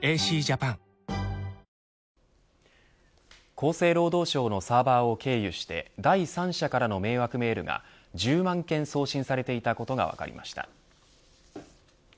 厚生労働省のサーバを経由して第三者からの迷惑メールが１０万件送信されていたことが分かりました。